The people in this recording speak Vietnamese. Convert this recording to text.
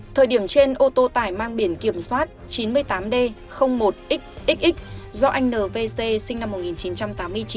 thời điểm trên ô tô tải mang biển kiểm soát chín mươi tám d một xxx do anh nvc sinh năm một nghìn chín trăm tám mươi chín